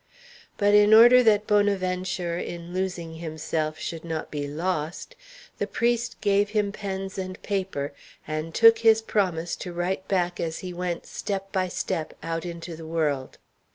But in order that Bonaventure in losing himself should not be lost, the priest gave him pens and paper, and took his promise to write back as he went step by step out into the world.